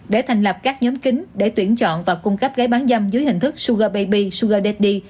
để thành lập các nhóm kính để tuyển chọn và cung cấp gái bán dâm dưới hình thức sugar baby sugar daddy